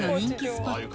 スポット